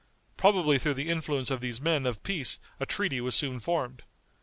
Probably through the influence of these men of peace a treaty was soon formed.